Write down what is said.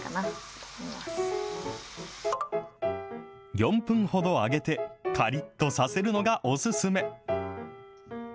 ４分ほど揚げて、かりっとさせるのがお勧め。